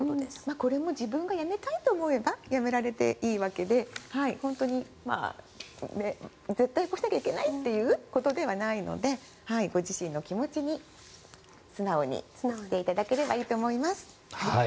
これも自分がやめたいと思えばやめていいことで本当に絶対こうしないといけないということではないのでご自身の気持ちに素直にしていただければいいと思います。